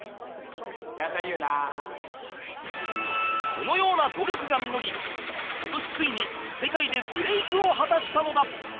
このような努力が実り今年ついに世界でブレークを果たしたのだ